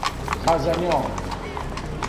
Ја за њом.